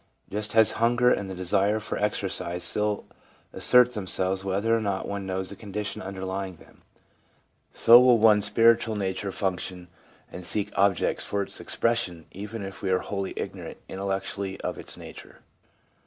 Just as hunger and the desire for exercise still assert themselves whether or not one knows the conditions underlying them, so will one's spiritual nature function and seek objects for its ex pression even if we are wholly ignorant intellectually of its nature.